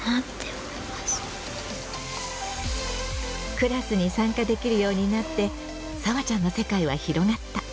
クラスに参加できるようになってさわちゃんの世界は広がった。